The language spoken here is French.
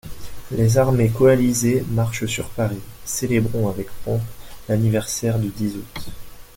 Les armées coalisées marchent sur Paris : célébrons avec pompe l'anniversaire du dix août.